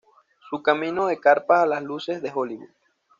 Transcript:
Su camino de carpas a las luces de Hollywood.